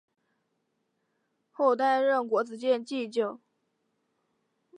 后担任国子监祭酒。